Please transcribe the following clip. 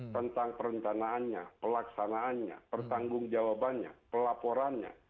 tentang perencanaannya pelaksanaannya pertanggung jawabannya pelaporannya